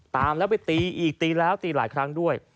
ตามแล้วไปตีอีกตีแล้วตีหลายครั้งด้วย